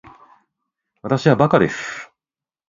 わたしはバカです